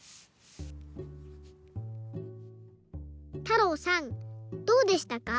たろうさんどうでしたか？